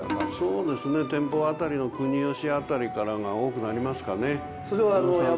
そうですね天保辺りの国芳辺りからが多くなりますかね。